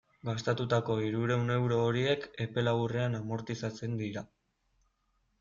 Gastatutako hirurehun euro horiek epe laburrean amortizatzen dira.